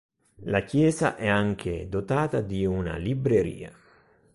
La chiesa è anche dotata di una libreria.